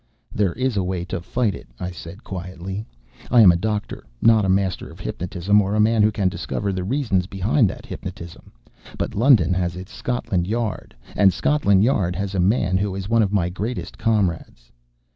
"There is a way to fight it," I said quietly. "I am a doctor, not a master of hypnotism, or a man who can discover the reasons behind that hypnotism. But London has its Scotland Yard, and Scotland Yard has a man who is one of my greatest comrades...."